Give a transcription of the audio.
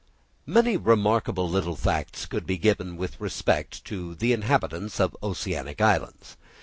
Many remarkable little facts could be given with respect to the inhabitants of oceanic islands.